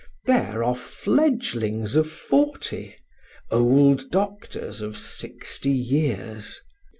There are fledglings of forty, old doctors of sixty years.